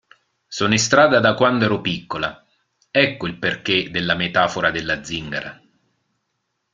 Sono in strada da quando ero piccola, ecco il perché della metafora della zingara.